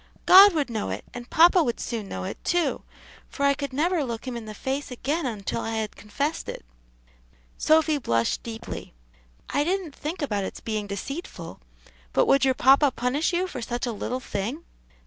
"God would know it, and papa would soon know it, too, for I could never look him in the face again until I had confessed it." Sophy blushed deeply. "I didn't think about its being deceitful. But would your papa punish you for such a little thing?"